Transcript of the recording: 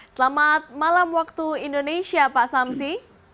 selamat malam waktu indonesia pak samsi